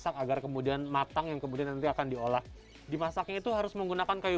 sedang dimasak agar kemudian matang yang kemudian akan diolah dimasak itu harus menggunakan kayu